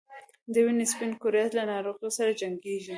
د وینې سپین کرویات له ناروغیو سره جنګیږي